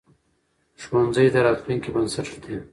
ښوونځی د راتلونکي بنسټ ږدي